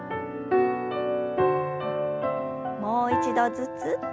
もう一度ずつ。